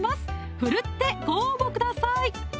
奮ってご応募ください